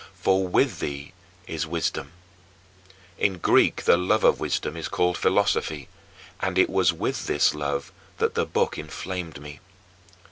For with thee is wisdom. In Greek the love of wisdom is called "philosophy," and it was with this love that that book inflamed me.